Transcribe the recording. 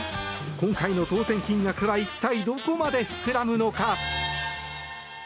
今回の当選金額は一体どこまで膨らむのか。